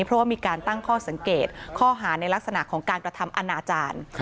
เพราะว่ามีการตั้งข้อสังเกตข้อหาในลักษณะของการกระทำอนาจารย์